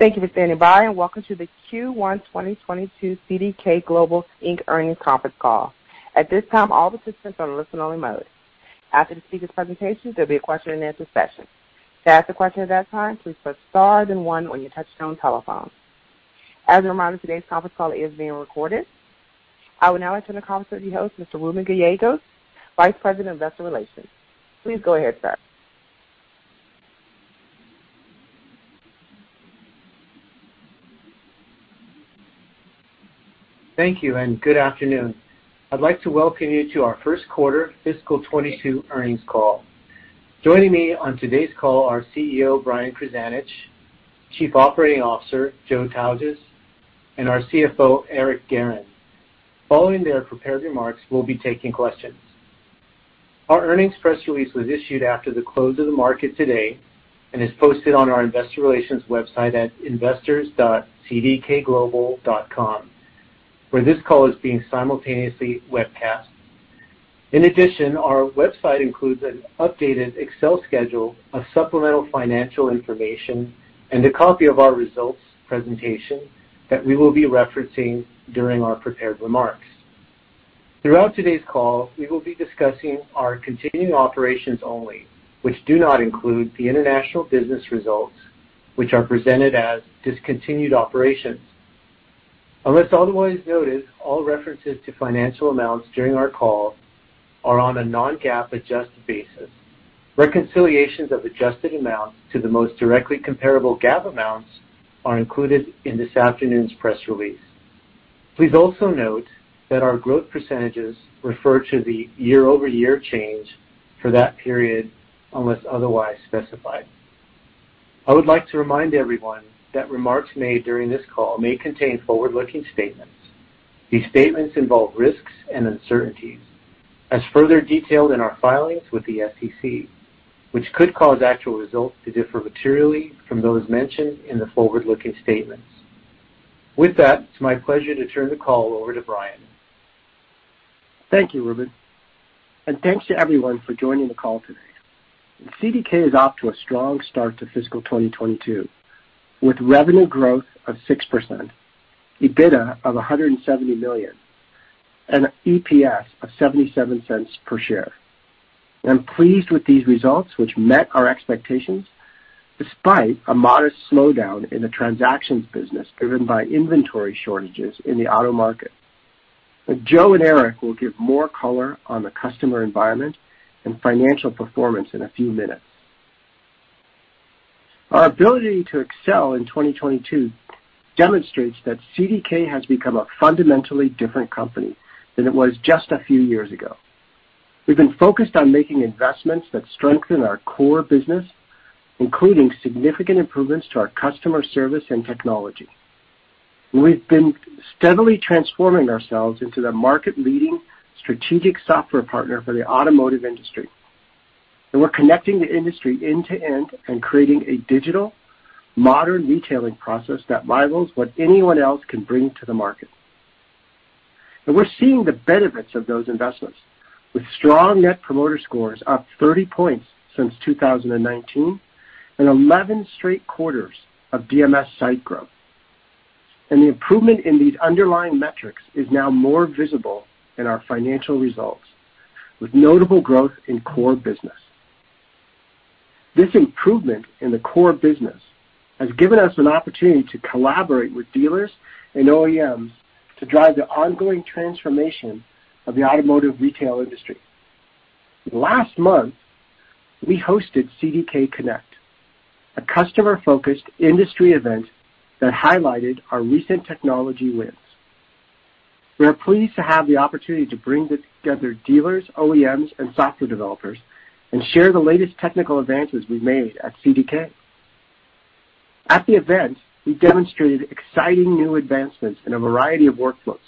Thank you for standing by, and welcome to the Q1 2022 CDK Global, Inc. Earnings Conference Call. At this time, all participants are in listen-only mode. After the speaker's presentation, there'll be a question-and-answer session. To ask a question at that time, please press star then one on your touchtone telephone. As a reminder, today's conference call is being recorded. I will now turn the conference over to host Mr. Reuben Gallegos, Vice President of Investor Relations. Please go ahead, sir. Thank you, and good afternoon. I'd like to welcome you to our first quarter fiscal 2022 earnings call. Joining me on today's call are CEO Brian Krzanich, Chief Operating Officer Joe Tautges, and our CFO Eric Guerin. Following their prepared remarks, we'll be taking questions. Our earnings press release was issued after the close of the market today and is posted on our investor relations website at investors.cdkglobal.com where this call is being simultaneously webcast. In addition, our website includes an updated Excel schedule of supplemental financial information and a copy of our results presentation that we will be referencing during our prepared remarks. Throughout today's call, we will be discussing our continuing operations only, which do not include the international business results, which are presented as discontinued operations. Unless otherwise noted, all references to financial amounts during our call are on a non-GAAP adjusted basis. Reconciliations of adjusted amounts to the most directly comparable GAAP amounts are included in this afternoon's press release. Please also note that our growth percentages refer to the year-over-year change for that period, unless otherwise specified. I would like to remind everyone that remarks made during this call may contain forward-looking statements. These statements involve risks and uncertainties as further detailed in our filings with the SEC, which could cause actual results to differ materially from those mentioned in the forward-looking statements. With that, it's my pleasure to turn the call over to Brian. Thank you, Reuben, and thanks to everyone for joining the call today. CDK is off to a strong start to fiscal 2022, with revenue growth of 6%, EBITDA of $170 million, and EPS of $0.77 per share. I'm pleased with these results, which met our expectations despite a modest slowdown in the transactions business driven by inventory shortages in the auto market. Joe and Eric will give more color on the customer environment and financial performance in a few minutes. Our ability to excel in 2022 demonstrates that CDK has become a fundamentally different company than it was just a few years ago. We've been focused on making investments that strengthen our core business, including significant improvements to our customer service and technology. We've been steadily transforming ourselves into the market-leading strategic software partner for the automotive industry. We're connecting the industry end to end and creating a digital modern retailing process that rivals what anyone else can bring to the market. We're seeing the benefits of those investments with strong net promoter scores up 30 points since 2019 and 11 straight quarters of DMS site growth. The improvement in these underlying metrics is now more visible in our financial results, with notable growth in core business. This improvement in the core business has given us an opportunity to collaborate with dealers and OEMs to drive the ongoing transformation of the automotive retail industry. Last month, we hosted CDK Connect, a customer-focused industry event that highlighted our recent technology wins. We are pleased to have the opportunity to bring together dealers, OEMs, and software developers and share the latest technical advances we made at CDK. At the event, we demonstrated exciting new advancements in a variety of workflows,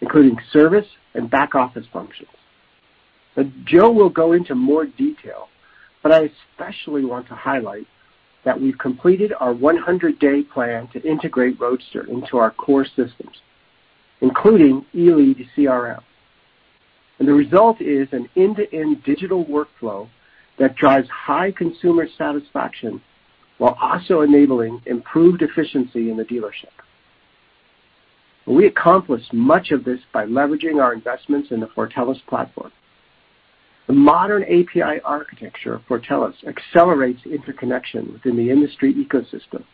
including service and back-office functions. Joe will go into more detail, but I especially want to highlight that we've completed our 100-day plan to integrate Roadster into our core systems, including Elead CRM. The result is an end-to-end digital workflow that drives high consumer satisfaction while also enabling improved efficiency in the dealership. We accomplished much of this by leveraging our investments in the Fortellis platform. The modern API architecture of Fortellis accelerates interconnection within the industry ecosystem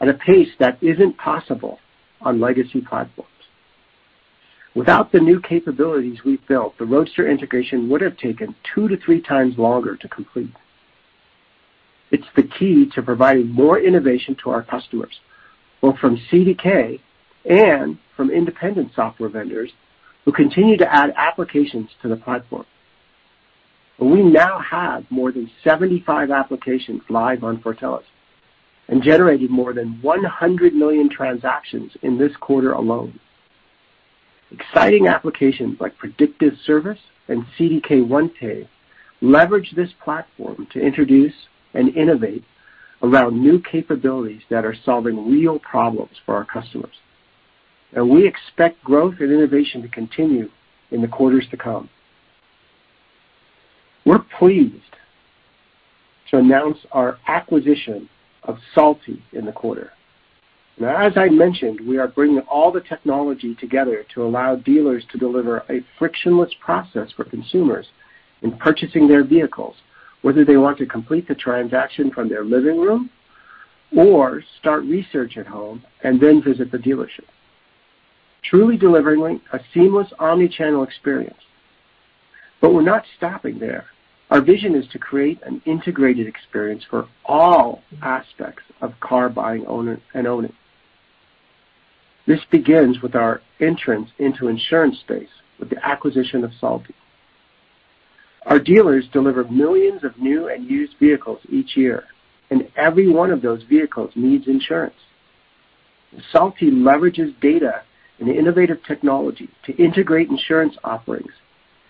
at a pace that isn't possible on legacy platforms. Without the new capabilities we've built, the Roadster integration would have taken 2x to 3x longer to complete. It's the key to providing more innovation to our customers, both from CDK and from independent software vendors who continue to add applications to the platform. We now have more than 75 applications live on Fortellis and generated more than 100 million transactions in this quarter alone. Exciting applications like Predictive Service and CDK OnePay leverage this platform to introduce and innovate around new capabilities that are solving real problems for our customers. We expect growth and innovation to continue in the quarters to come. We're pleased to announce our acquisition of Salty in the quarter. Now, as I mentioned, we are bringing all the technology together to allow dealers to deliver a frictionless process for consumers in purchasing their vehicles, whether they want to complete the transaction from their living room or start research at home and then visit the dealership, truly delivering a seamless omnichannel experience. We're not stopping there. Our vision is to create an integrated experience for all aspects of car buying, ownership and owning. This begins with our entrance into insurance space with the acquisition of Salty. Our dealers deliver millions of new and used vehicles each year, and every one of those vehicles needs insurance. Salty leverages data and innovative technology to integrate insurance offerings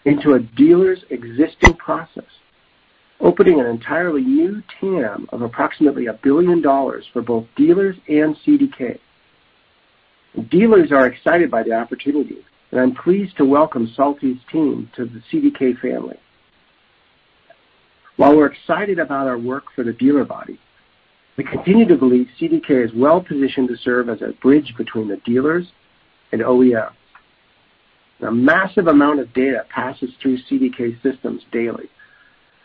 into a dealer's existing process, opening an entirely new TAM of approximately $1 billion for both dealers and CDK. Dealers are excited by the opportunity, and I'm pleased to welcome Salty's team to the CDK family. While we're excited about our work for the dealer body, we continue to believe CDK is well-positioned to serve as a bridge between the dealers and OEM. The massive amount of data passes through CDK systems daily.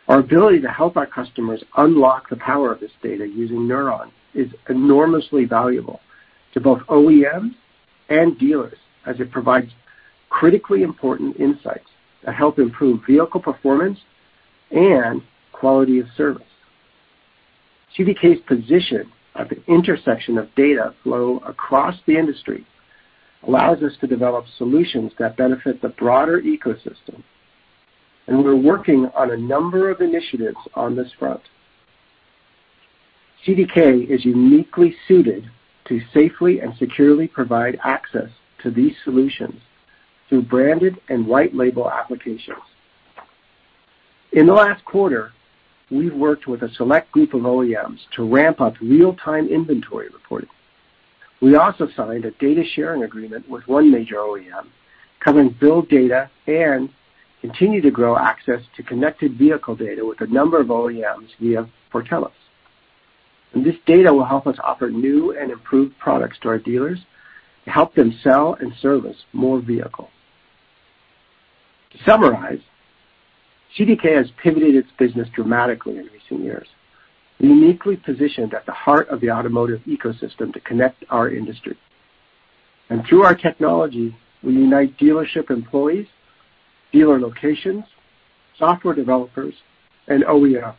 Our ability to help our customers unlock the power of this data using Neuron is enormously valuable to both OEMs and dealers as it provides critically important insights that help improve vehicle performance and quality of service. CDK's position at the intersection of data flow across the industry allows us to develop solutions that benefit the broader ecosystem, and we're working on a number of initiatives on this front. CDK is uniquely suited to safely and securely provide access to these solutions through branded and white label applications. In the last quarter, we've worked with a select group of OEMs to ramp up real-time inventory reporting. We also signed a data sharing agreement with one major OEM covering build data and continue to grow access to connected vehicle data with a number of OEMs via Fortellis. This data will help us offer new and improved products to our dealers to help them sell and service more vehicles. To summarize, CDK has pivoted its business dramatically in recent years, uniquely positioned at the heart of the automotive ecosystem to connect our industry. Through our technology, we unite dealership employees, dealer locations, software developers, and OEMs,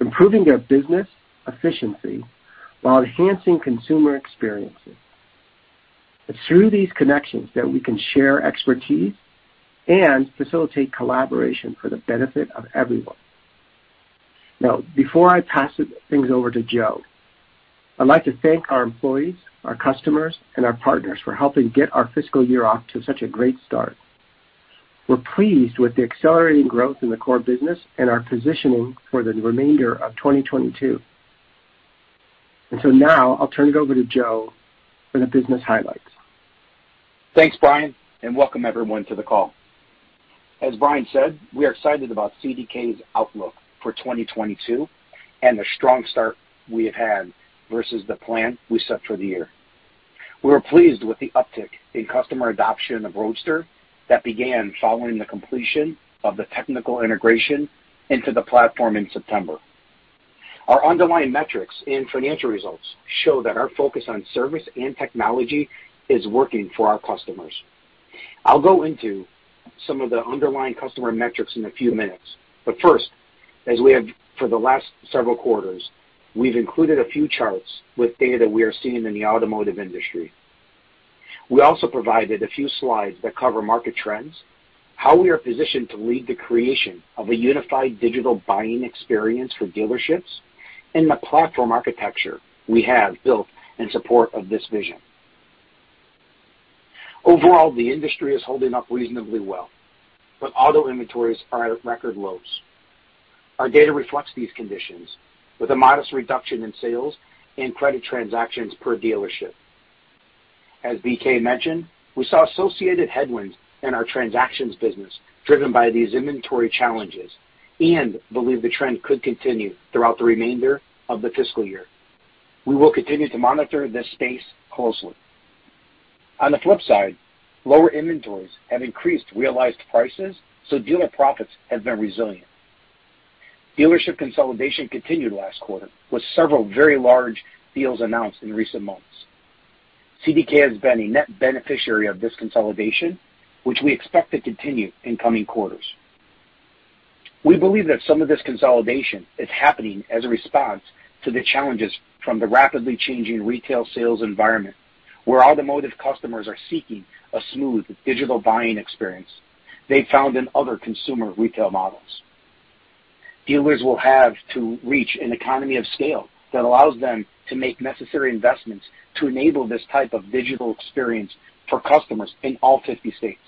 improving their business efficiency while enhancing consumer experiences. It's through these connections that we can share expertise and facilitate collaboration for the benefit of everyone. Now, before I pass things over to Joe, I'd like to thank our employees, our customers, and our partners for helping get our fiscal year off to such a great start. We're pleased with the accelerating growth in the core business and our positioning for the remainder of 2022. Now I'll turn it over to Joe for the business highlights. Thanks, Brian, and welcome everyone to the call. As Brian said, we are excited about CDK's outlook for 2022 and the strong start we have had versus the plan we set for the year. We were pleased with the uptick in customer adoption of Roadster that began following the completion of the technical integration into the platform in September. Our underlying metrics and financial results show that our focus on service and technology is working for our customers. I'll go into some of the underlying customer metrics in a few minutes. First, as we have for the last several quarters, we've included a few charts with data we are seeing in the automotive industry. We also provided a few slides that cover market trends, how we are positioned to lead the creation of a unified digital buying experience for dealerships, and the platform architecture we have built in support of this vision. Overall, the industry is holding up reasonably well, but auto inventories are at record lows. Our data reflects these conditions with a modest reduction in sales and credit transactions per dealership. As BK mentioned, we saw associated headwinds in our transactions business driven by these inventory challenges and believe the trend could continue throughout the remainder of the fiscal year. We will continue to monitor this space closely. On the flip side, lower inventories have increased realized prices, so dealer profits have been resilient. Dealership consolidation continued last quarter, with several very large deals announced in recent months. CDK has been a net beneficiary of this consolidation, which we expect to continue in coming quarters. We believe that some of this consolidation is happening as a response to the challenges from the rapidly changing retail sales environment, where automotive customers are seeking a smooth digital buying experience they found in other consumer retail models. Dealers will have to reach an economy of scale that allows them to make necessary investments to enable this type of digital experience for customers in all 50 states.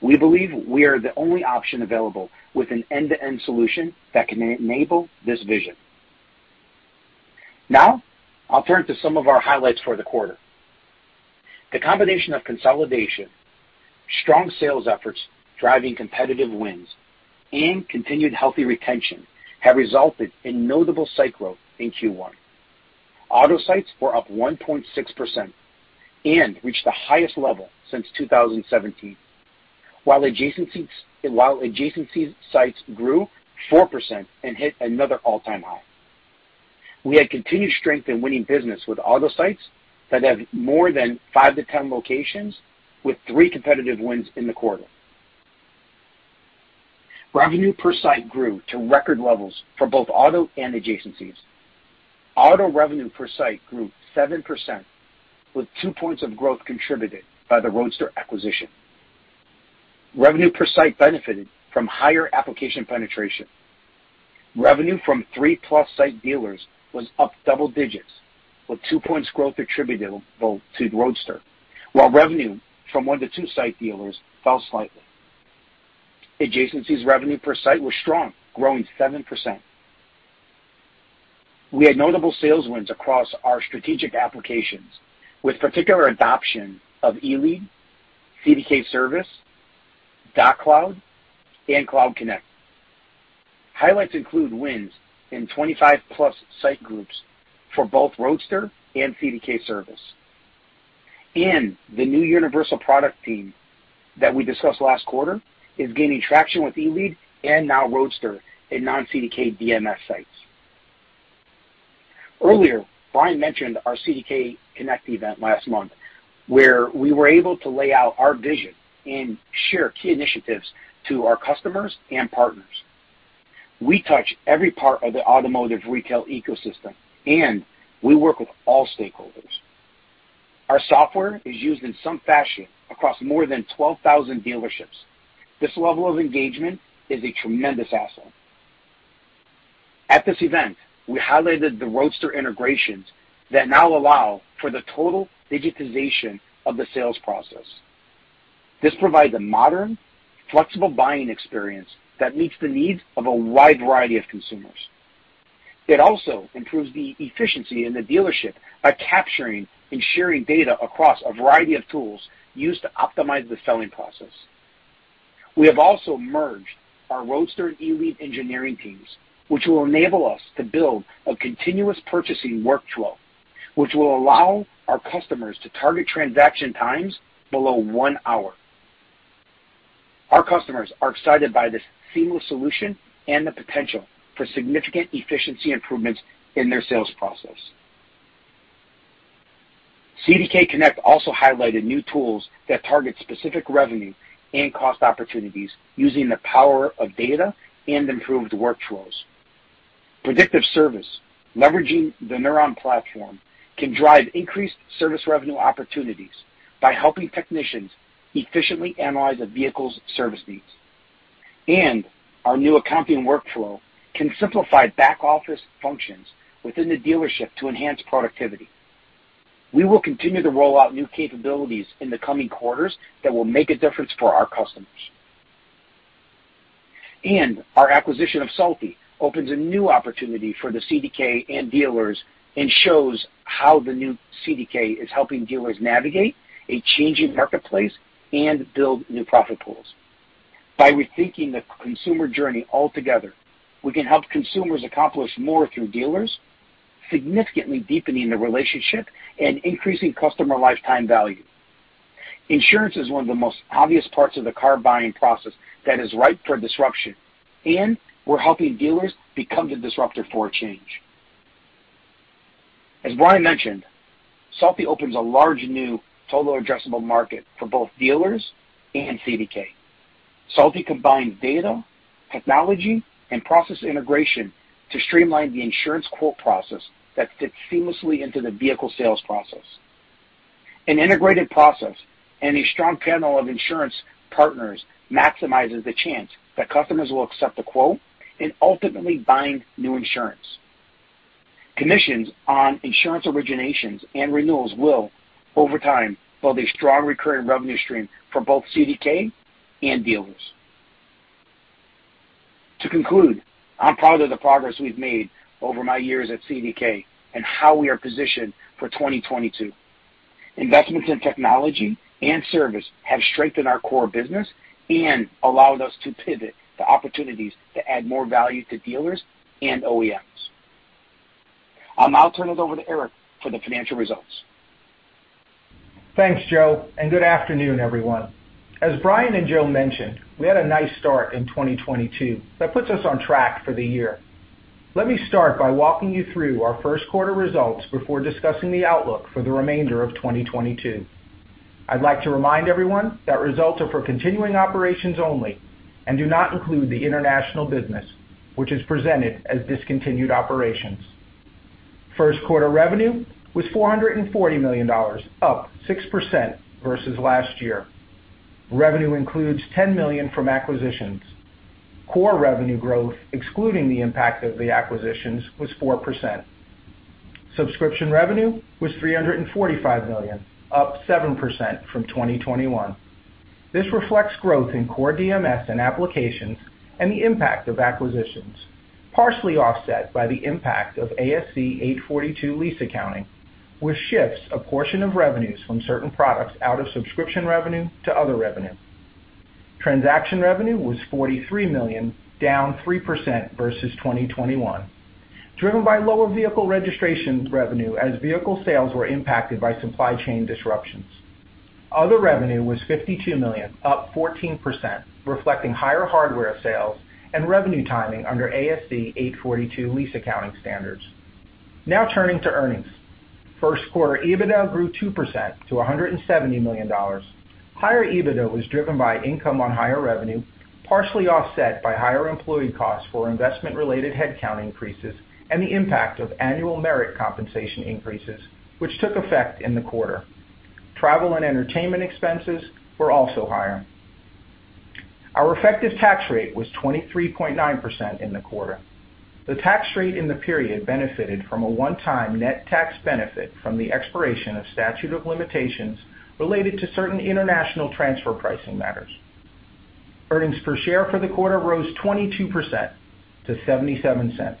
We believe we are the only option available with an end-to-end solution that can enable this vision. Now I'll turn to some of our highlights for the quarter. The combination of consolidation, strong sales efforts driving competitive wins, and continued healthy retention have resulted in notable cycle in Q1. Auto sites were up 1.6% and reached the highest level since 2017. While adjacencies sites grew 4% and hit another all-time high. We had continued strength in winning business with auto sites that have more than 5-10 locations, with three competitive wins in the quarter. Revenue per site grew to record levels for both auto and adjacencies. Auto revenue per site grew 7%, with 2 points of growth contributed by the Roadster acquisition. Revenue per site benefited from higher application penetration. Revenue from 3+ site dealers was up double digits, with 2 points growth attributable to Roadster, while revenue from 1-2 site dealers fell slightly. Adjacencies revenue per site was strong, growing 7%. We had notable sales wins across our strategic applications, with particular adoption of Elead, CDK Service, Doc Cloud, and Cloud Connect. Highlights include wins in 25+ site groups for both Roadster and CDK Service. The new universal product theme that we discussed last quarter is gaining traction with Elead and now Roadster in non-CDK DMS sites. Earlier, Brian mentioned our CDK Connect event last month, where we were able to lay out our vision and share key initiatives to our customers and partners. We touch every part of the automotive retail ecosystem, and we work with all stakeholders. Our software is used in some fashion across more than 12,000 dealerships. This level of engagement is a tremendous asset. At this event, we highlighted the Roadster integrations that now allow for the total digitization of the sales process. This provides a modern, flexible buying experience that meets the needs of a wide variety of consumers. It also improves the efficiency in the dealership by capturing and sharing data across a variety of tools used to optimize the selling process. We have also merged our Roadster and Elead engineering teams, which will enable us to build a continuous purchasing workflow, which will allow our customers to target transaction times below one hour. Our customers are excited by this seamless solution and the potential for significant efficiency improvements in their sales process. CDK Connect also highlighted new tools that target specific revenue and cost opportunities using the power of data and improved workflows. Predictive Service, leveraging the Neuron platform, can drive increased service revenue opportunities by helping technicians efficiently analyze a vehicle's service needs. Our new accounting workflow can simplify back-office functions within the dealership to enhance productivity. We will continue to roll out new capabilities in the coming quarters that will make a difference for our customers. Our acquisition of Salty opens a new opportunity for the CDK and dealers and shows how the new CDK is helping dealers navigate a changing marketplace and build new profit pools. By rethinking the consumer journey altogether, we can help consumers accomplish more through dealers, significantly deepening the relationship and increasing customer lifetime value. Insurance is one of the most obvious parts of the car buying process that is ripe for disruption, and we're helping dealers become the disruptor for a change. As Brian mentioned, Salty opens a large new total addressable market for both dealers and CDK. Salty combines data, technology, and process integration to streamline the insurance quote process that fits seamlessly into the vehicle sales process. An integrated process and a strong panel of insurance partners maximizes the chance that customers will accept the quote and ultimately buying new insurance. Commissions on insurance originations and renewals will, over time, build a strong recurring revenue stream for both CDK and dealers. To conclude, I'm proud of the progress we've made over my years at CDK and how we are positioned for 2022. Investments in technology and service have strengthened our core business and allowed us to pivot to opportunities to add more value to dealers and OEMs. I'll now turn it over to Eric for the financial results. Thanks, Joe, and good afternoon, everyone. As Brian and Joe mentioned, we had a nice start in 2022 that puts us on track for the year. Let me start by walking you through our first quarter results before discussing the outlook for the remainder of 2022. I'd like to remind everyone that results are for continuing operations only and do not include the international business, which is presented as discontinued operations. First quarter revenue was $440 million, up 6% versus last year. Revenue includes $10 million from acquisitions. Core revenue growth, excluding the impact of the acquisitions, was 4%. Subscription revenue was $345 million, up 7% from 2021. This reflects growth in core DMS and applications and the impact of acquisitions, partially offset by the impact of ASC 842 lease accounting, which shifts a portion of revenues from certain products out of subscription revenue to other revenue. Transaction revenue was $43 million, down 3% versus 2021, driven by lower vehicle registration revenue as vehicle sales were impacted by supply chain disruptions. Other revenue was $52 million, up 14%, reflecting higher hardware sales and revenue timing under ASC 842 lease accounting standards. Now turning to earnings. First quarter EBITDA grew 2% to $170 million. Higher EBITDA was driven by income on higher revenue, partially offset by higher employee costs for investment-related headcount increases and the impact of annual merit compensation increases, which took effect in the quarter. Travel and entertainment expenses were also higher. Our effective tax rate was 23.9% in the quarter. The tax rate in the period benefited from a one-time net tax benefit from the expiration of statute of limitations related to certain international transfer pricing matters. Earnings per share for the quarter rose 22% to $0.77,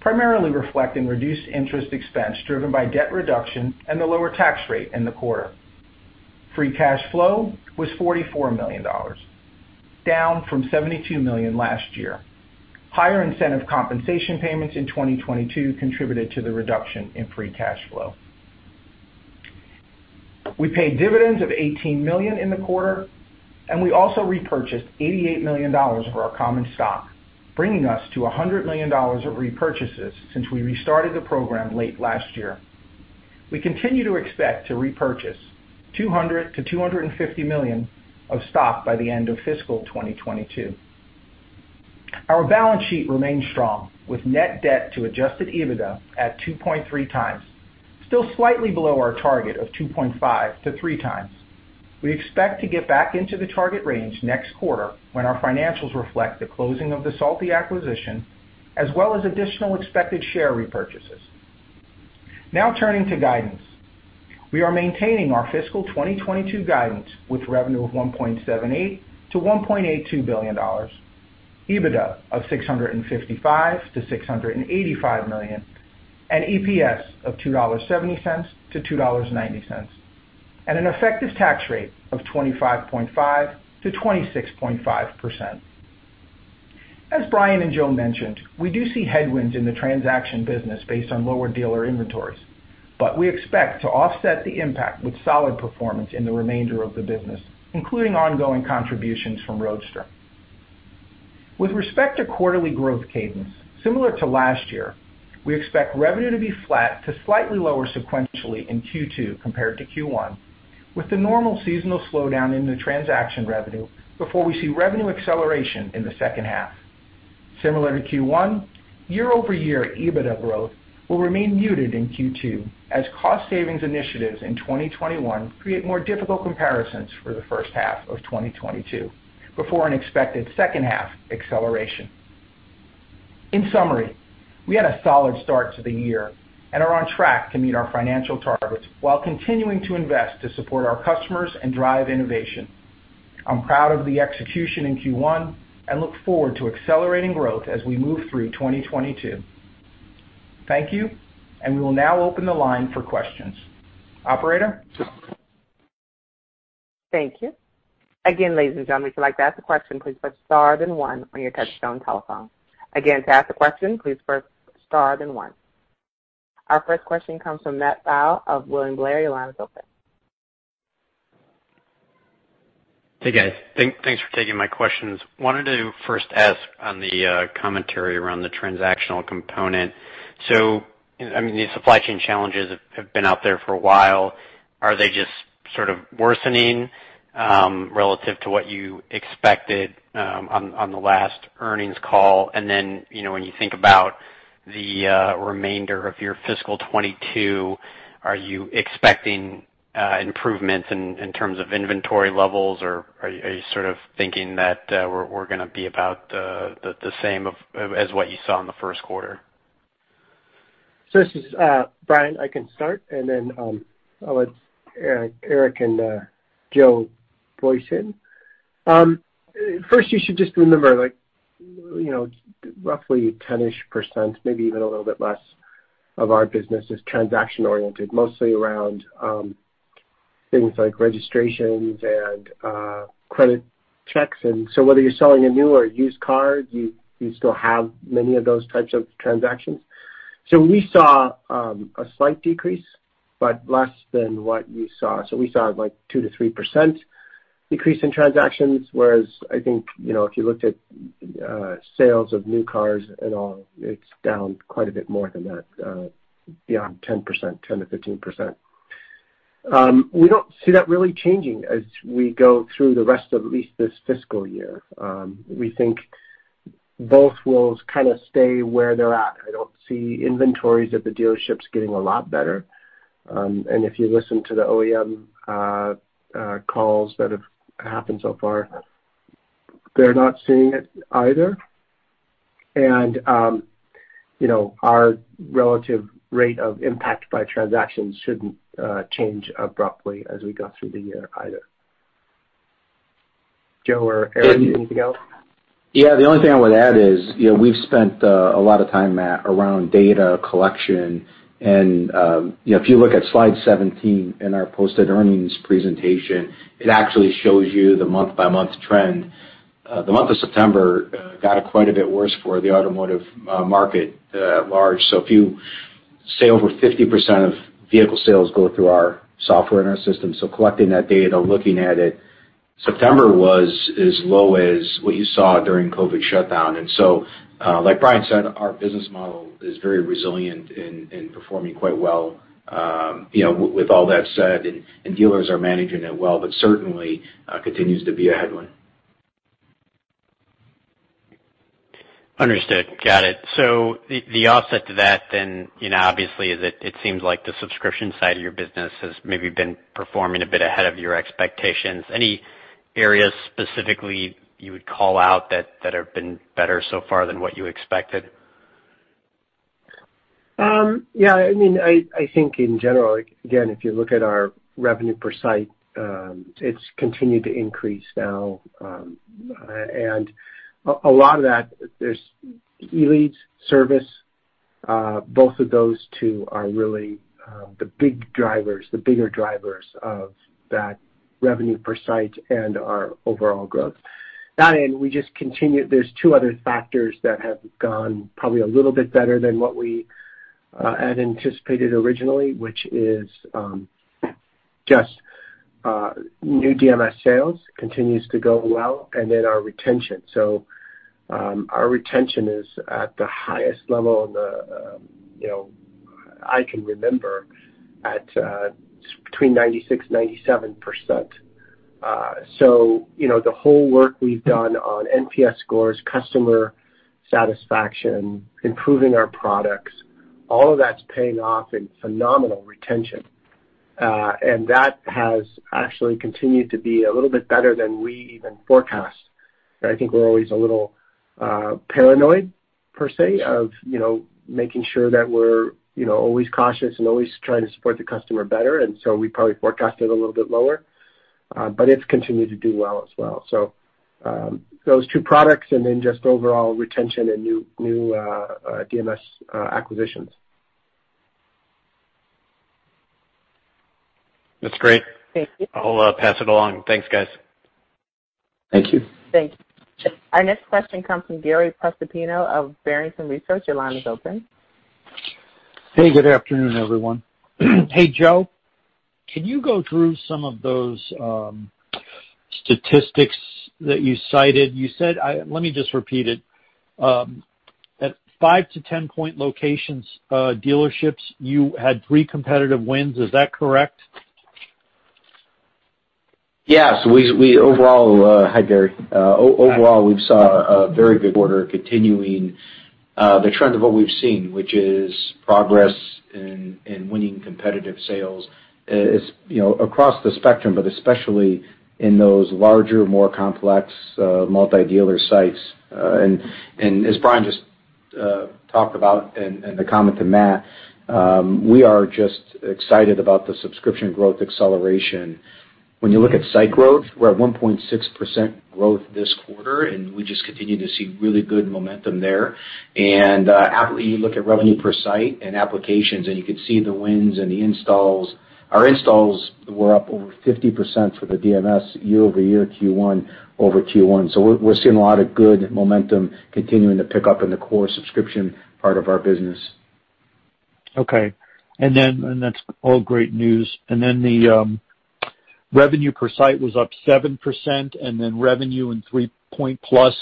primarily reflecting reduced interest expense driven by debt reduction and the lower tax rate in the quarter. Free cash flow was $44 million, down from $72 million last year. Higher incentive compensation payments in 2022 contributed to the reduction in free cash flow. We paid dividends of $18 million in the quarter, and we also repurchased $88 million of our common stock, bringing us to $100 million of repurchases since we restarted the program late last year. We continue to expect to repurchase $200 million-$250 million of stock by the end of fiscal 2022. Our balance sheet remains strong, with net debt to adjusted EBITDA at 2.3x, still slightly below our target of 2.5x-3x. We expect to get back into the target range next quarter when our financials reflect the closing of the Salty acquisition, as well as additional expected share repurchases. Now turning to guidance. We are maintaining our fiscal 2022 guidance, with revenue of $1.78 billion-$1.82 billion, EBITDA of $655 million-$685 million, and EPS of $2.70-$2.90, and an effective tax rate of 25.5%-26.5%. As Brian and Joe mentioned, we do see headwinds in the transaction business based on lower dealer inventories, but we expect to offset the impact with solid performance in the remainder of the business, including ongoing contributions from Roadster. With respect to quarterly growth cadence, similar to last year, we expect revenue to be flat to slightly lower sequentially in Q2 compared to Q1, with the normal seasonal slowdown in the transaction revenue before we see revenue acceleration in the second half. Similar to Q1, year-over-year EBITDA growth will remain muted in Q2 as cost savings initiatives in 2021 create more difficult comparisons for the first half of 2022 before an expected second-half acceleration. In summary, we had a solid start to the year and are on track to meet our financial targets while continuing to invest to support our customers and drive innovation. I'm proud of the execution in Q1 and look forward to accelerating growth as we move through 2022. Thank you, and we will now open the line for questions. Operator? Thank you. Again, ladies and gentlemen, if you'd like to ask a question, please press star then one on your touch-tone telephone. Again, to ask a question, please press star then one. Our first question comes from Matthew Pfau of William Blair. Your line is open. Hey, guys. Thanks for taking my questions. I wanted to first ask on the commentary around the transactional component. So, I mean, the supply chain challenges have been out there for a while. Are they just sort of worsening relative to what you expected on the last earnings call? And then, you know, when you think about the remainder of your fiscal 2022, are you expecting improvements in terms of inventory levels, or are you sort of thinking that we're gonna be about the same as what you saw in the first quarter? This is Brian. I can start, and then I'll let Eric and Joe voice in. First, you should just remember like, you know, roughly 10-ish%, maybe even a little bit less of our business is transaction-oriented, mostly around, things like registrations and, credit checks. Whether you're selling a new or used car, you still have many of those types of transactions. We saw a slight decrease, but less than what you saw. We saw like 2%-3% decrease in transactions, whereas I think, you know, if you looked at, sales of new cars and all, it's down quite a bit more than that, beyond 10%, 10%-15%. We don't see that really changing as we go through the rest of at least this fiscal year. We think both will kind of stay where they're at. I don't see inventories at the dealerships getting a lot better. If you listen to the OEM calls that have happened so far, they're not seeing it either. You know, our relative rate of impact by transactions shouldn't change abruptly as we go through the year either. Joe or Eric, anything to go? Yeah. The only thing I would add is, you know, we've spent a lot of time, Matt, around data collection and, you know, if you look at slide 17 in our posted earnings presentation, it actually shows you the month-by-month trend. The month of September got quite a bit worse for the automotive market at large. If you say over 50% of vehicle sales go through our software in our system, so collecting that data, looking at it, September was as low as what you saw during COVID shutdown. Like Brian said, our business model is very resilient in performing quite well, you know, with all that said, and dealers are managing it well, but certainly continues to be a headwind. Understood. Got it. The offset to that then, you know, obviously it seems like the subscription side of your business has maybe been performing a bit ahead of your expectations. Any areas specifically you would call out that have been better so far than what you expected? Yeah, I mean, I think in general, like, again, if you look at our revenue per site, it's continued to increase now, and a lot of that there's Elead, Service. Both of those two are really the big drivers, the bigger drivers of that revenue per site and our overall growth. That, there are two other factors that have gone probably a little bit better than what we had anticipated originally, which is just new DMS sales continues to go well, and then our retention. Our retention is at the highest level in the, you know, I can remember at between 96%-97%. You know, the whole work we've done on NPS scores, customer satisfaction, improving our products, all of that's paying off in phenomenal retention. That has actually continued to be a little bit better than we even forecast. I think we're always a little paranoid per se of you know making sure that we're you know always cautious and always trying to support the customer better. We probably forecast it a little bit lower. It's continued to do well as well. Those two products and then just overall retention and new DMS acquisitions. That's great. Thank you. I'll pass it along. Thanks, guys. Thank you. Thank you. Our next question comes from Gary Prestopino of Barrington Research. Your line is open. Hey, good afternoon, everyone. Hey, Joe, can you go through some of those statistics that you cited? Let me just repeat it. At 5-10 point locations, dealerships, you had 3 competitive wins. Is that correct? Yes. We overall, Hi, Gary. Overall, we've saw a very good quarter continuing the trend of what we've seen, which is progress in winning competitive sales, you know, across the spectrum, but especially in those larger, more complex multi-dealer sites. As Brian just talked about and the comment to Matt, we are just excited about the subscription growth acceleration. When you look at site growth, we're at 1.6% growth this quarter, and we just continue to see really good momentum there. You look at revenue per site and applications, and you could see the wins and the installs. Our installs were up over 50% for the DMS year-over-year Q1 over Q1. We're seeing a lot of good momentum continuing to pick up in the core subscription part of our business. Okay. That's all great news. The revenue per site was up 7%, and revenue in 3-point-plus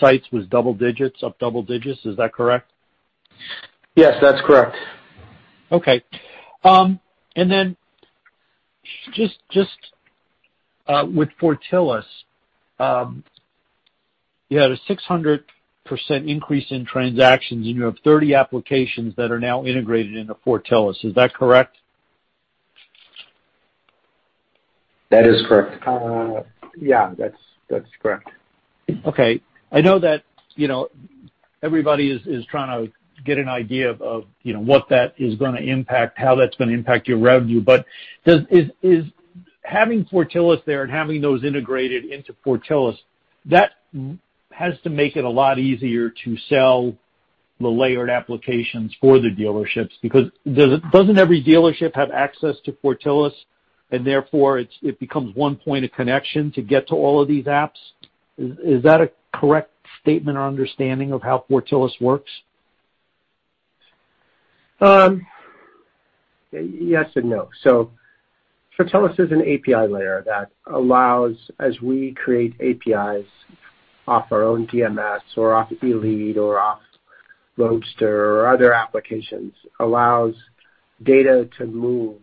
sites was double digits, up double digits. Is that correct? Yes, that's correct. Okay. Just with Fortellis, you had a 600% increase in transactions, and you have 30 applications that are now integrated into Fortellis. Is that correct? That is correct. Yeah, that's correct. Okay. I know that, you know, everybody is trying to get an idea of, you know, what that is gonna impact, how that's gonna impact your revenue. Is having Fortellis there and having those integrated into Fortellis, that has to make it a lot easier to sell the layered applications for the dealerships because doesn't every dealership have access to Fortellis and therefore it becomes one point of connection to get to all of these apps. Is that a correct statement or understanding of how Fortellis works? Yes and no. Fortellis is an API layer that allows, as we create APIs off our own DMS or off Elead or off Roadster or other applications, allows data to move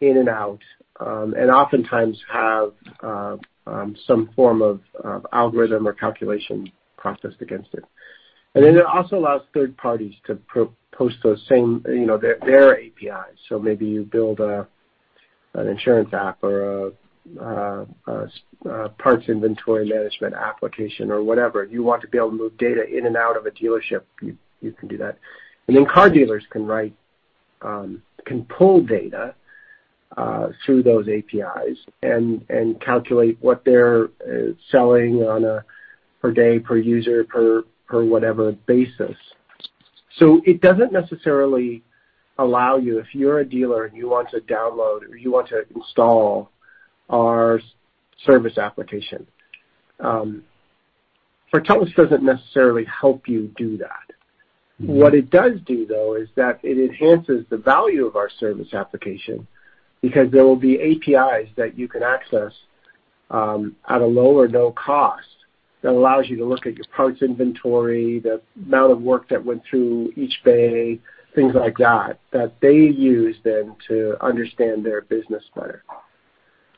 in and out, and oftentimes have some form of algorithm or calculation processed against it. Then it also allows third parties to post those same, you know, their APIs. Maybe you build an insurance app or a parts inventory management application or whatever. You want to be able to move data in and out of a dealership, you can do that. Then car dealers can write, can pull data through those APIs and calculate what they're selling on a per day, per user, per whatever basis. It doesn't necessarily allow you if you're a dealer and you want to download or you want to install our service application. Fortellis doesn't necessarily help you do that. What it does do, though, is that it enhances the value of our service application because there will be APIs that you can access at a low or no cost that allows you to look at your parts inventory, the amount of work that went through each bay, things like that they use then to understand their business better.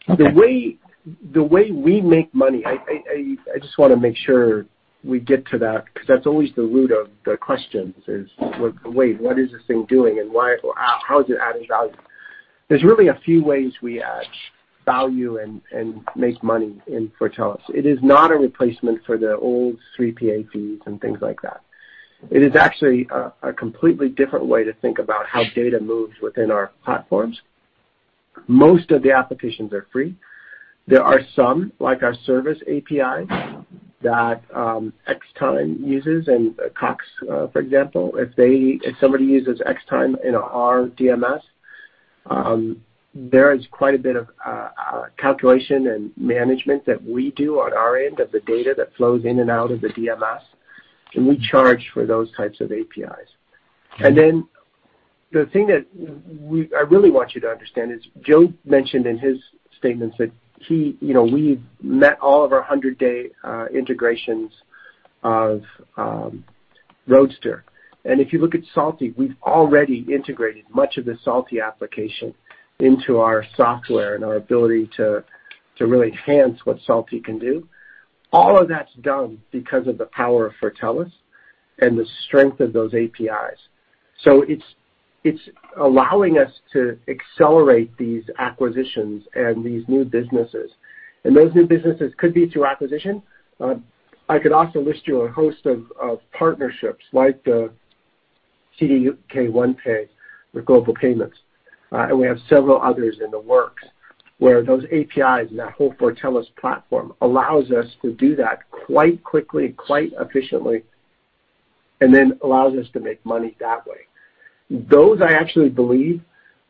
Okay. The way we make money, I just wanna make sure we get to that because that's always the root of the questions is, well, wait, what is this thing doing and why, or how is it adding value? There's really a few ways we add value and make money in Fortellis. It is not a replacement for the old 3PA fees and things like that. It is actually a completely different way to think about how data moves within our platforms. Most of the applications are free. There are some, like our service API, that Xtime uses and Cox, for example. If somebody uses Xtime in our DMS, there is quite a bit of calculation and management that we do on our end of the data that flows in and out of the DMS, and we charge for those types of APIs. Then the thing that I really want you to understand is Joe mentioned in his statements that he, you know, we met all of our 100-day integrations of Roadster. If you look at Salty, we've already integrated much of the Salty application into our software and our ability to really enhance what Salty can do. All of that's done because of the power of Fortellis and the strength of those APIs. It's allowing us to accelerate these acquisitions and these new businesses. Those new businesses could be through acquisition. I could also list you a host of partnerships like the CDK OnePay with Global Payments. We have several others in the works, where those APIs and that whole Fortellis platform allows us to do that quite quickly, quite efficiently, and then allows us to make money that way. Those, I actually believe,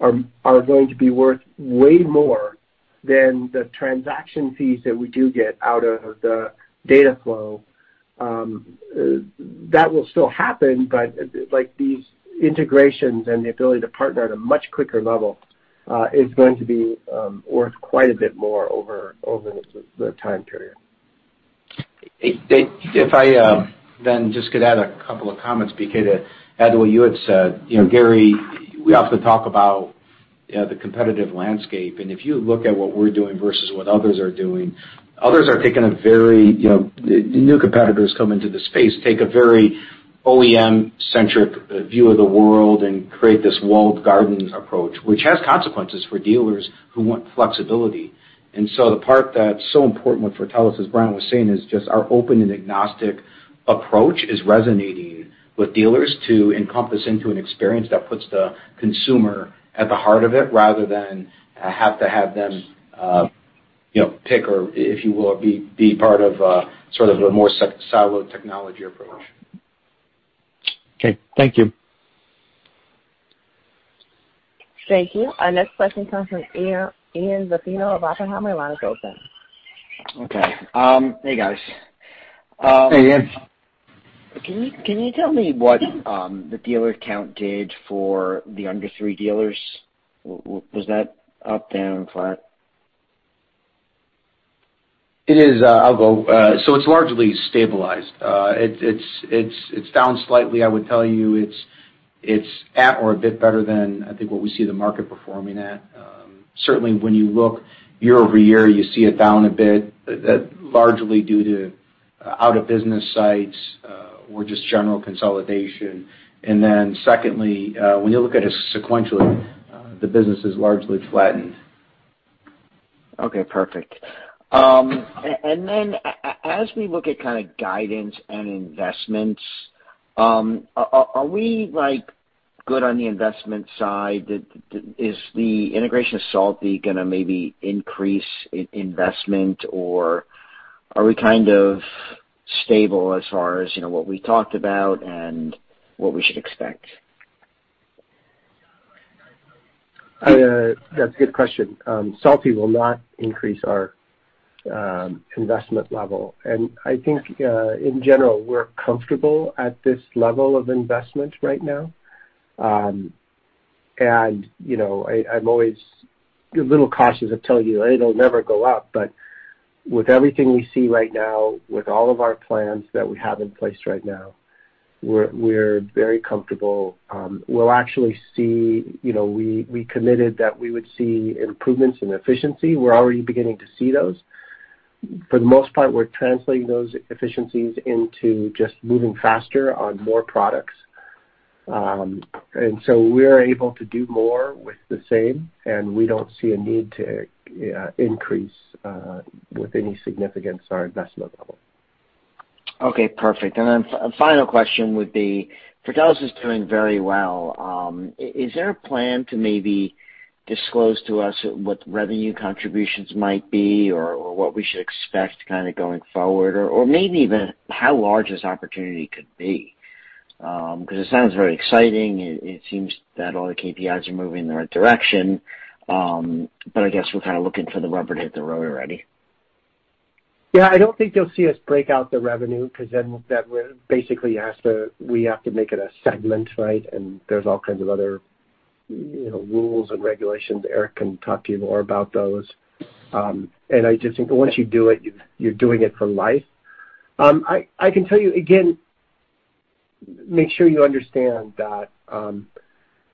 are going to be worth way more than the transaction fees that we do get out of the data flow. That will still happen, but, like, these integrations and the ability to partner at a much quicker level is going to be worth quite a bit more over the time period. If I then just could add a couple of comments PK to add to what you had said. You know, Gary, we often talk about, you know, the competitive landscape, and if you look at what we're doing versus what others are doing, others are taking a very, you know, new competitors come into the space, take a very OEM-centric view of the world and create this walled gardens approach, which has consequences for dealers who want flexibility. The part that's so important with Fortellis, as Brian was saying, is just our open and agnostic approach is resonating with dealers to encompass into an experience that puts the consumer at the heart of it rather than have to have them, you know, pick or, if you will, be part of a sort of a more siloed technology approach. Okay. Thank you. Thank you. Our next question comes from Ian Zaffino of Oppenheimer. Your line is open. Okay. Hey, guys. Hey, Ian. Can you tell me what the dealer count did for the under three dealers? Was that up, down, flat? I'll go. So it's largely stabilized. It's down slightly. I would tell you it's at or a bit better than I think what we see the market performing at. Certainly when you look year-over-year, you see it down a bit, largely due to out of business sites or just general consolidation. Then secondly, when you look at it sequentially, the business is largely flattened. Okay. Perfect. Then as we look at kinda guidance and investments, are we like good on the investment side? Is the integration of Salty gonna maybe increase investment, or are we kind of stable as far as, you know, what we talked about and what we should expect? That's a good question. Salty will not increase our investment level. I think in general, we're comfortable at this level of investment right now. You know, I'm always a little cautious of telling you it'll never go up. With everything we see right now, with all of our plans that we have in place right now, we're very comfortable. We'll actually see, you know, we committed that we would see improvements in efficiency. We're already beginning to see those. For the most part, we're translating those efficiencies into just moving faster on more products. We're able to do more with the same, and we don't see a need to increase with any significance our investment level. Okay, perfect. Then final question would be, Fortellis is doing very well. Is there a plan to maybe disclose to us what revenue contributions might be or what we should expect kinda going forward? Or maybe even how large this opportunity could be? Because it sounds very exciting. It seems that all the KPIs are moving in the right direction. I guess we're kind of looking for the rubber to hit the road already. Yeah. I don't think you'll see us break out the revenue because then that would basically, we have to make it a segment, right? There's all kinds of other, you know, rules and regulations. Eric can talk to you more about those. I just think once you do it, you're doing it for life. I can tell you again, make sure you understand that,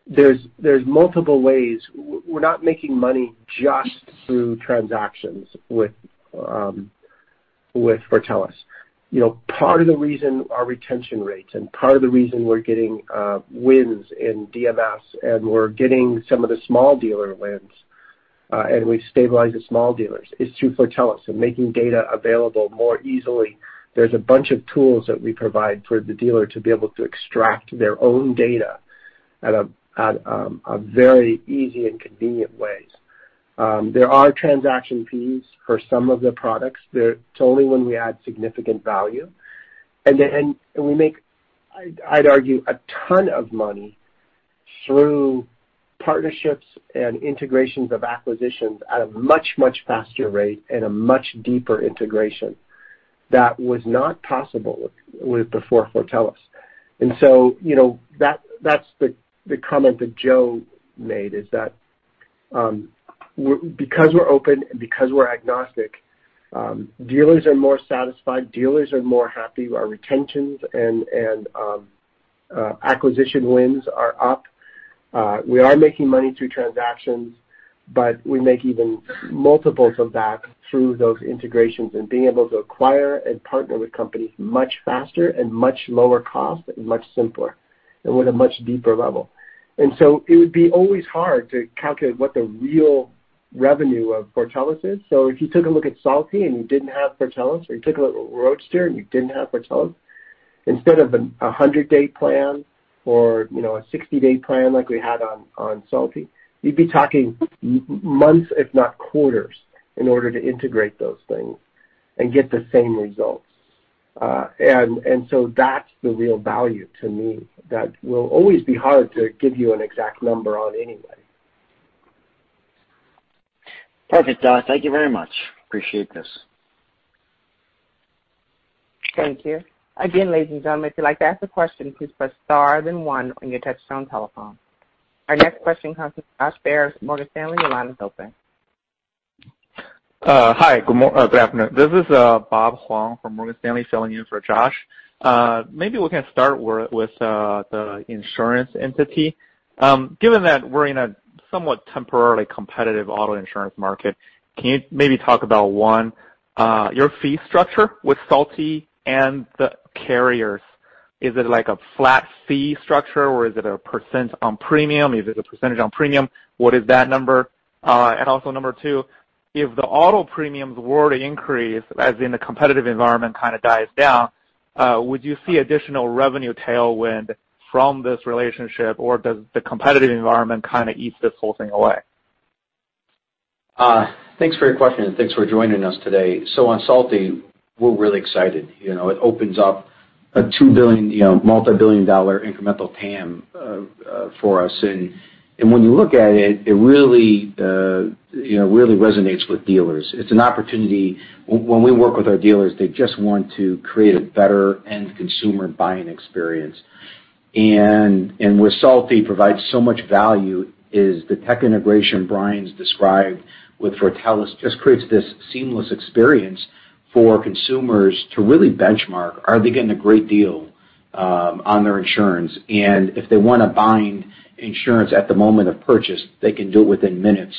there's multiple ways. We're not making money just through transactions with Fortellis. You know, part of the reason our retention rates and part of the reason we're getting wins in DMS and we're getting some of the small dealer wins and we stabilize the small dealers is through Fortellis and making data available more easily. There's a bunch of tools that we provide for the dealer to be able to extract their own data at a very easy and convenient ways. There are transaction fees for some of the products. It's only when we add significant value. We make, I'd argue, a ton of money through partnerships and integrations of acquisitions at a much, much faster rate and a much deeper integration that was not possible before Fortellis. You know, that's the comment that Joe made, is that, because we're open and because we're agnostic, dealers are more satisfied, dealers are more happy. Our retentions and acquisition wins are up. We are making money through transactions, but we make even multiples of that through those integrations and being able to acquire and partner with companies much faster and much lower cost and much simpler and with a much deeper level. It would be always hard to calculate what the real revenue of Fortellis is. If you took a look at Salty and you didn't have Fortellis, or you took a look at Roadster and you didn't have Fortellis, instead of a 100-day plan or, you know, a 60-day plan like we had on Salty, you'd be talking months, if not quarters, in order to integrate those things and get the same results. And so that's the real value to me. That will always be hard to give you an exact number on anyway. Perfect, Joe. Thank you very much. Appreciate this. Thank you. Again, ladies and gentlemen, if you'd like to ask a question, please press star, then one on your touchtone telephone. Our next question comes from Josh Baer, Morgan Stanley. Your line is open. Hi. Good afternoon. This is Bob Huang from Morgan Stanley, filling in for Josh. Maybe we can start with the insurance entity. Given that we're in a somewhat temporarily competitive auto insurance market, can you maybe talk about, one, your fee structure with Salty and the carriers? Is it like a flat fee structure or is it a percent on premium? If it's a percentage on premium, what is that number? Also number two, if the auto premiums were to increase as in the competitive environment kinda dies down, would you see additional revenue tailwind from this relationship, or does the competitive environment kinda eat this whole thing away? Thanks for your question, and thanks for joining us today. On Salty, we're really excited. You know, it opens up a $2 billion, you know, multi-billion dollar incremental TAM for us. When you look at it really, you know, really resonates with dealers. It's an opportunity. When we work with our dealers, they just want to create a better end consumer buying experience. What Salty provides so much value is the tech integration Brian's described with Fortellis just creates this seamless experience for consumers to really benchmark, are they getting a great deal on their insurance? If they wanna bind insurance at the moment of purchase, they can do it within minutes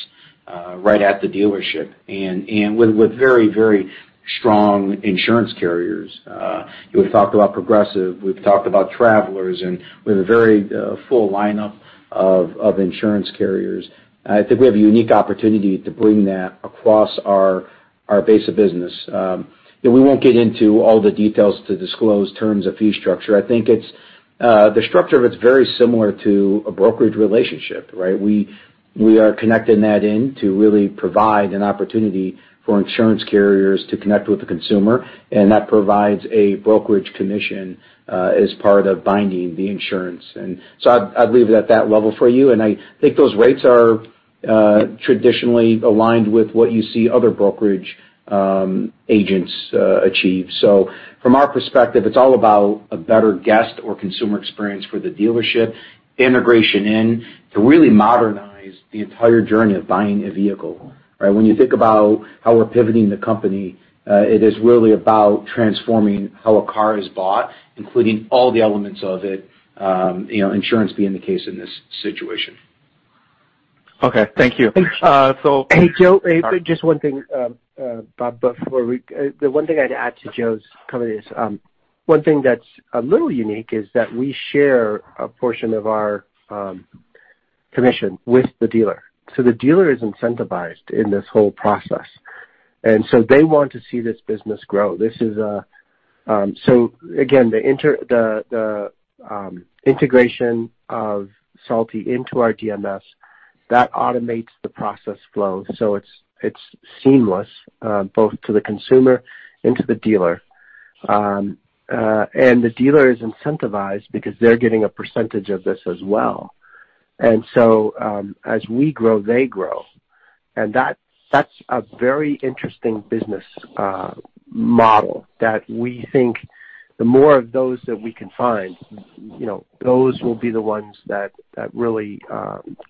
right at the dealership and with very strong insurance carriers. We've talked about Progressive, we've talked about Travelers, and we have a very full lineup of insurance carriers. I think we have a unique opportunity to bring that across our base of business. You know, we won't get into all the details to disclose terms of fee structure. I think it's the structure of it is very similar to a brokerage relationship, right? We are connecting that in to really provide an opportunity for insurance carriers to connect with the consumer, and that provides a brokerage commission as part of binding the insurance. I'd leave it at that level for you, and I think those rates are traditionally aligned with what you see other brokerage agents achieve. From our perspective, it's all about a better guest or consumer experience for the dealership integration into really modernize the entire journey of buying a vehicle, right? When you think about how we're pivoting the company, it is really about transforming how a car is bought, including all the elements of it, you know, insurance being the case in this situation. Okay. Thank you. Hey, Joe. Sorry. Just one thing, Bob, the one thing I'd add to Joe's comment is one thing that's a little unique is that we share a portion of our commission with the dealer. The dealer is incentivized in this whole process. They want to see this business grow. This is, so again, the integration of Salty into our DMS that automates the process flow. It's seamless both to the consumer and to the dealer. The dealer is incentivized because they're getting a percentage of this as well. As we grow, they grow. That's a very interesting business model that we think the more of those that we can find, you know, those will be the ones that really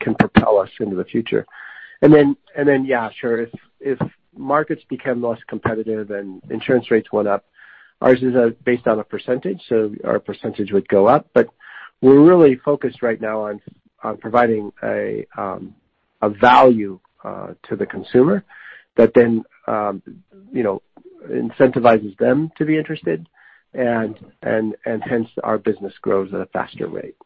can propel us into the future. Yeah, sure, if markets become less competitive and insurance rates went up, ours is based on a percentage, so our percentage would go up. We're really focused right now on providing a value to the consumer that then you know incentivizes them to be interested and hence our business grows at a faster rate.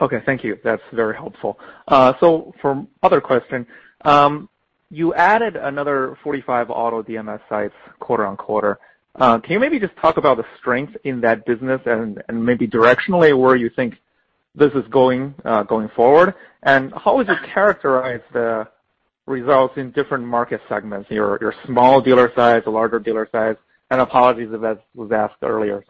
Okay. Thank you. That's very helpful. For the other question, you added another 45 auto DMS sites quarter-over-quarter. Can you maybe just talk about the strength in that business and maybe directionally where you think this is going forward? How would you characterize the results in different market segments, your small dealer size, larger dealer size? Apologies if that was asked earlier.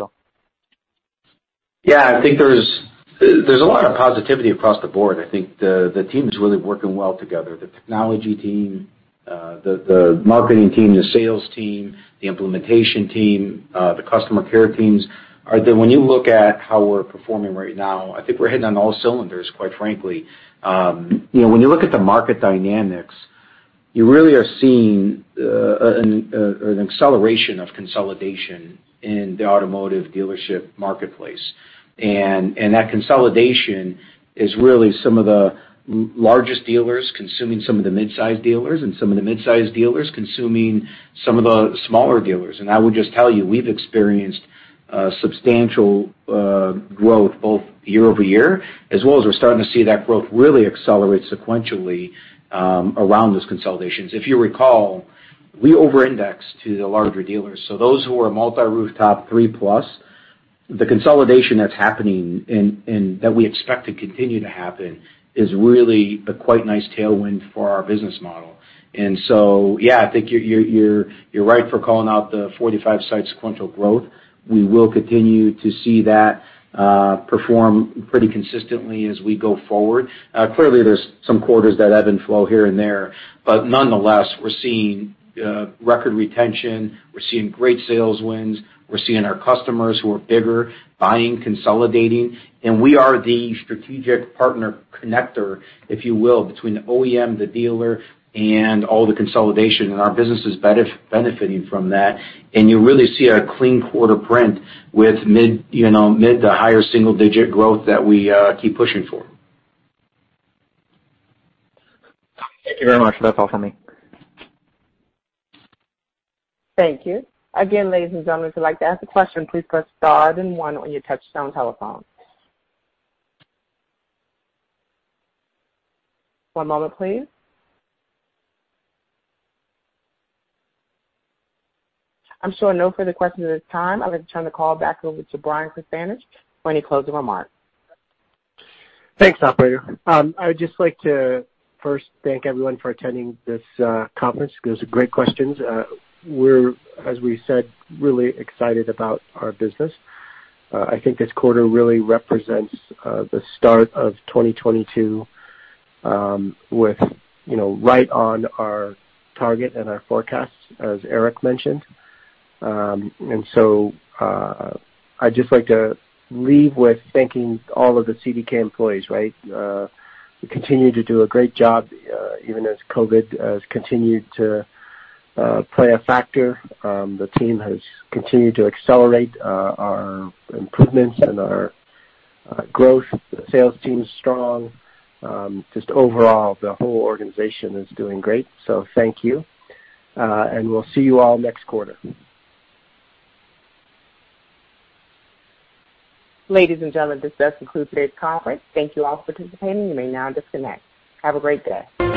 Yeah, I think there's a lot of positivity across the board. I think the team is really working well together. The technology team, the marketing team, the sales team, the implementation team, the customer care teams. When you look at how we're performing right now, I think we're hitting on all cylinders, quite frankly. You know, when you look at the market dynamics, you really are seeing an acceleration of consolidation in the automotive dealership marketplace. That consolidation is really some of the largest dealers consuming some of the mid-size dealers and some of the mid-size dealers consuming some of the smaller dealers. I would just tell you, we've experienced substantial growth both year-over-year, as well as we're starting to see that growth really accelerate sequentially around those consolidations. If you recall, we over-index to the larger dealers. Those who are multi-rooftop 3+, the consolidation that's happening and that we expect to continue to happen is really a quite nice tailwind for our business model. Yeah, I think you're right for calling out the 45-site sequential growth. We will continue to see that perform pretty consistently as we go forward. Clearly there's some quarters that ebb and flow here and there, but nonetheless, we're seeing record retention, we're seeing great sales wins, we're seeing our customers who are bigger buying, consolidating, and we are the strategic partner connector, if you will, between the OEM, the dealer, and all the consolidation, and our business is benefiting from that. You really see a clean quarter print with mid, you know, mid to higher single digit growth that we keep pushing for. Thank you very much. That's all for me. Thank you. Again, ladies and gentlemen, if you'd like to ask a question, please press star then one on your touch-tone telephone. One moment, please. I'm showing no further questions at this time. I'm going to turn the call back over to Brian Krzanich for any closing remarks. Thanks, operator. I would just like to first thank everyone for attending this conference. Those are great questions. We're, as we said, really excited about our business. I think this quarter really represents the start of 2022, with, you know, right on our target and our forecasts, as Eric mentioned. I'd just like to leave with thanking all of the CDK employees, right? We continue to do a great job, even as COVID has continued to play a factor. The team has continued to accelerate our improvements and our growth. The sales team is strong. Just overall, the whole organization is doing great. Thank you. We'll see you all next quarter. Ladies and gentlemen, this does conclude today's conference. Thank you all for participating. You may now disconnect. Have a great day.